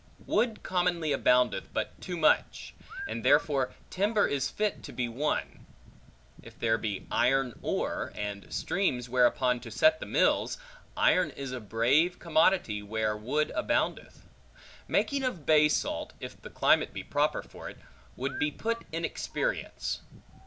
Wood commonly aboundeth but too much; and therefore timber is fit to be one. If there be iron ore, and streams whereupon to set the mills, iron is a brave commodity where wood aboundeth. Making of bay salt, if the climate be proper for it, would be put in experience.